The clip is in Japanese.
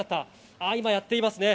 今、やっていますね。